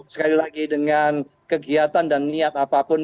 sekali lagi dengan kegiatan dan niat apapun